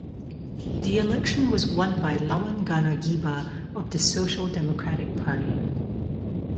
The election was won by Lawan Gana Giba of the Social Democratic Party.